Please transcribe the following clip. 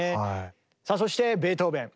さあそしてベートーベン。